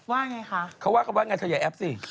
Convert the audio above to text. ว่าอย่างไรคะเขาว่ากันว่าไงเธออย่าแอ๊บสิ